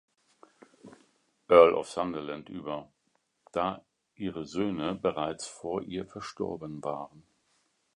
Earl of Sunderland über, da ihre Söhne bereits vor ihr verstorben waren.